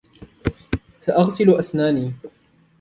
سأغسل أسناني.